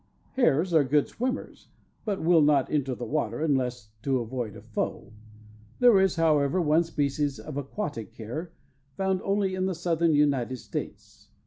Hares are good swimmers, but will not enter the water unless to avoid a foe. There is, however, one species of aquatic hare, found only in the Southern United States.